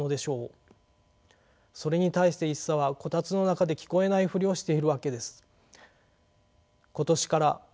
それに対して一茶は炬燵の中で聞こえないふりをしているわけです。